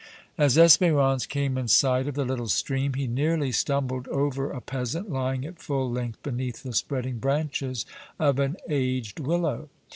As Espérance came in sight of the little stream, he nearly stumbled over a peasant, lying at full length beneath the spreading branches of an aged willow.